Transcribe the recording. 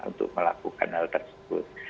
untuk melakukan hal tersebut